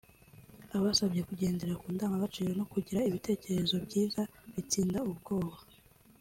Abasabye kugendera ku ndangagaciro no kugira ibitekerezo byiza bitsinda ubwoba